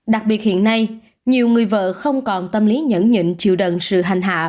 đặc biệt hiện nay nhiều người vợ không còn tâm lý nhẫn nhịn chịu đần sự hành hạ